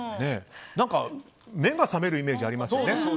何か、目が覚めるイメージがありますよね。